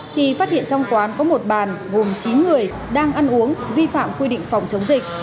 thì phát hiện trong quán có một bàn gồm chín người đang ăn uống vi phạm quy định phòng chống dịch